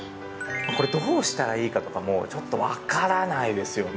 これどうしたらいいかとかもうちょっと分からないですよね。